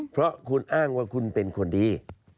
เพราะคุณอ้างว่าคุณเป็นคนดี